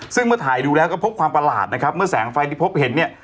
ซึ่งเมื่อถ่ายดูแล้วก็พบความประหลาดนะครับเมื่อแสงไฟที่พบเห็นเนี่ย